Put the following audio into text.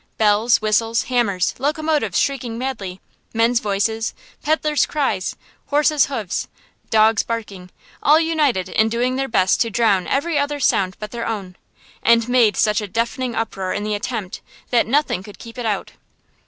Bells, whistles, hammers, locomotives shrieking madly, men's voices, peddlers' cries, horses' hoofs, dogs' barkings all united in doing their best to drown every other sound but their own, and made such a deafening uproar in the attempt that nothing could keep it out.